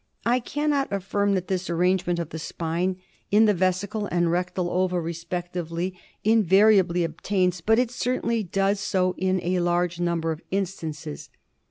1 cannot alBrm that this arrange ment of the spine in the vesical and rectal ova respec tively invariably obtains, but it certainly does so in a large number of instances.